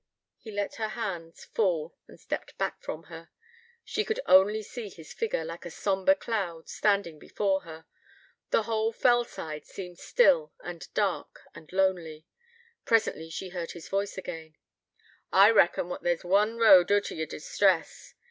He let her hands fall and stepped back from her. She could only see his figure, like a sombre cloud, standing before her. The whole fell side seemed still and dark and lonely. Presently she heard his voice again: 'I reckon what there's one road oot o' yer distress.'